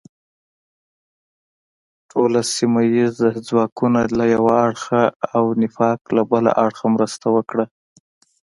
ټول سیمه ییز ځواکونه له یو اړخه او نفاق له بل اړخه مرسته وکړه.